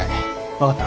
分かった。